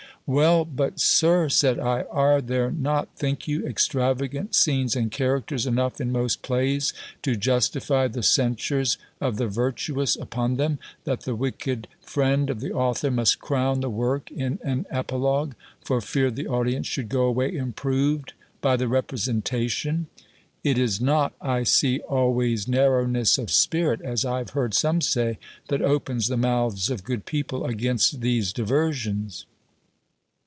"Well, but, Sir," said I, "are there not, think you, extravagant scenes and characters enough in most plays to justify the censures of the virtuous upon them, that the wicked friend of the author must crown the work in an epilogue, for fear the audience should go away improved by the representation? It is not, I see, always narrowness of spirit, as I have heard some say, that opens the mouths of good people against these diversions."